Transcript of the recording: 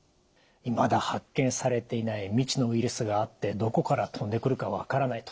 いまだ発見されていない未知のウイルスがあってどこから飛んでくるか分からない